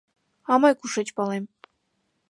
— А мый кушеч палем?